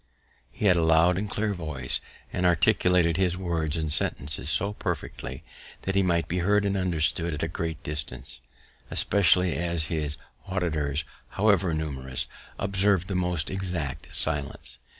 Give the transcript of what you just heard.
He had a loud and clear voice, and articulated his words and sentences so perfectly, that he might be heard and understood at a great distance, especially as his auditories, however numerous, observ'd the most exact silence.